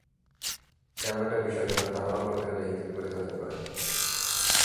এটা এমন একটা বিষয়, যেখানে তাড়াহুড়া করতে গেলে হিতে বিপরীত হতে পারে।